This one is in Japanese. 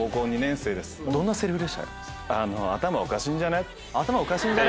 どんなセリフでした？